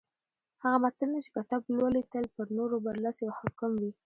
هغه ملتونه چې کتاب لولي تل پر نورو برلاسي او حاکم وي.